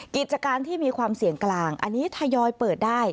กิจการที่มีความเสี่ยงกลางอันนี้ทยอยเปิดได้